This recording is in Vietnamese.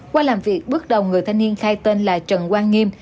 qua làm việc bước đầu người thanh niên khai tên là trần quang nghiêm